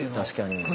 確かに。